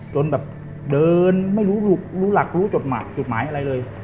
จนแบบเดินไม่รู้หลักรู้จดหมายจุดหมายอะไรเลย